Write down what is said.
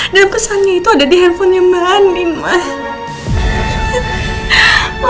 dan pesannya itu ada di handphonenya mbak anin mak